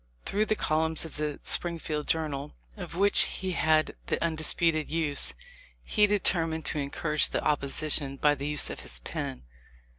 Through the columns of the Springfield Journal, of which he had the undisputed use, he determined to encourage the opposition by the use of his pen.